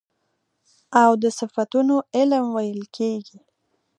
او د صفتونو علم ويل کېږي .